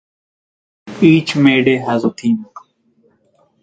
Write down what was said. Each Mayday has a theme.